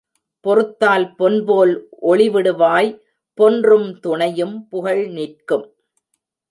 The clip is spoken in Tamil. பொறுத்தால் பொன்போல் ஒளிவிடுவாய் பொன்றும் துணையும் புகழ் நிற்கும்.